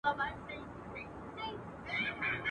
چي ملګري تاته ګران وه هغه ټول دي زمولېدلي !.